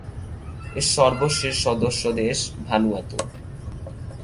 এর সর্বশেষ সদস্য দেশ ভানুয়াতু।